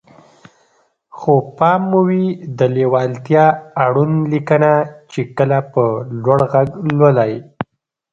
خو پام مو وي د ليوالتيا اړوند ليکنه چې کله په لوړ غږ لولئ.